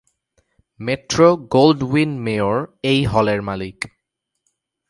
Metro-Goldwyn-Mayer এই হলের মালিক।